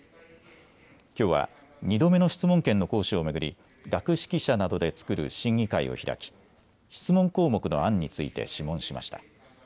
きょうは２度目の質問権の行使を巡り、学識者などで作る審議会を開き質問項目の案について諮問しました。